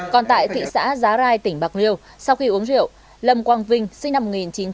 còn tại thị xã giá rai tỉnh bạc liêu sau khi uống rượu lâm quang vinh sinh năm một nghìn chín trăm tám mươi